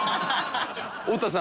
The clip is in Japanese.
太田さん